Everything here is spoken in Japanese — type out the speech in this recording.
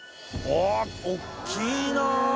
おっきいな！